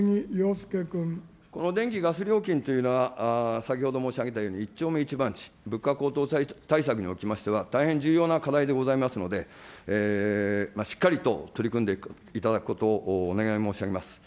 この電気・ガス料金というのは、先ほど申し上げたように、一丁目一番地、物価高騰対策におきましては大変重要な課題でございますので、しっかりと取り組んでいただくことをお願い申し上げます。